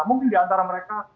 mungkin di antara mereka